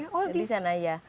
iya tapi di sana